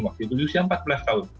waktu itu di usia empat belas tahun